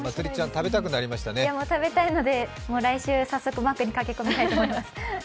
食べたいので来週、早速マックに駆け込みたいと思います。